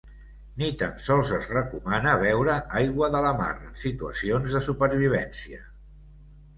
Ni tan sols es recomana beure aigua de la mar en situacions de supervivència.